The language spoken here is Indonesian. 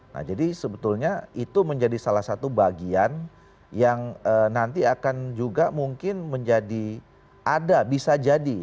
nah jadi sebetulnya itu menjadi salah satu bagian yang nanti akan juga mungkin menjadi ada bisa jadi